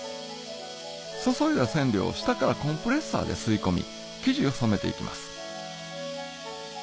注いだ染料を下からコンプレッサーで吸い込み生地を染めていきます